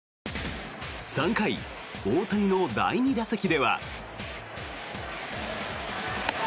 ３回、大谷の第２打席では。